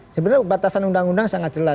sebenarnya batasan undang undang sangat jelas